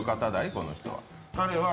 この人は。